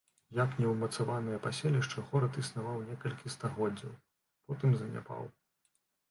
Як неўмацаванае паселішча горад існаваў некалькі стагоддзяў, потым заняпаў.